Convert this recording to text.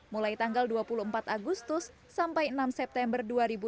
mulai tanggal dua puluh empat agustus sampai enam september dua ribu dua puluh